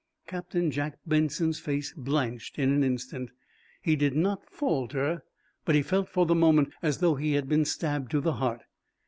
Captain Jack Benson's face blanched in an instant. He did not falter, but he felt, for the moment, as though he had been stabbed to the heart.